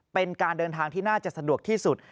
เป็นการเดินทางที่น่าจะสะดวกที่สุด